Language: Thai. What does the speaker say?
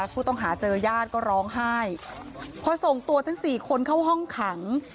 ผู้ต้องหาเจอญาติก็ร้องไห้พอส่งตัวทั้งสี่คนเข้าห้องขัง